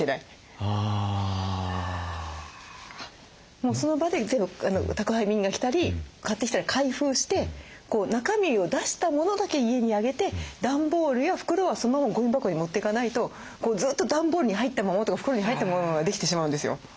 もうその場で全部宅配便が来たり買ってきたら開封して中身を出したモノだけ家に上げて段ボールや袋はそのままゴミ箱に持っていかないとこうずっと段ボールに入ったままとか袋に入ったモノができてしまうんですよ。